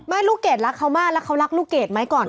ลูกเกดรักเขามากแล้วเขารักลูกเกดไหมก่อน